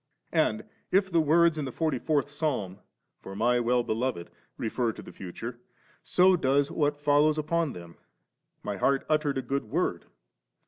And if the words in the fortf' fourth Psalm ' for My Well beloyed ' refer to the future^ so does what follows upon theob 'My heart uttered a good Word.'